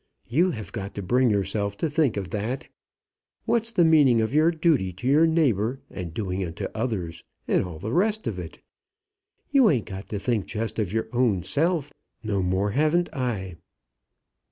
You have got to bring yourself to think of that. What's the meaning of your duty to your neighbour, and doing unto others, and all the rest of it? You ain't got to think just of your own self; no more haven't I."